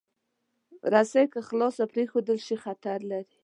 رسۍ که خلاصه پرېښودل شي، خطر لري.